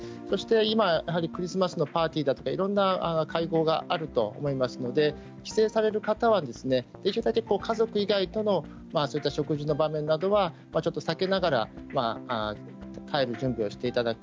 今クリスマスのパーティーやいろんな会合があると思いますので帰省される方はできるだけ家族以外との食事の場面などはちょっと避けながら帰る準備をしていただく。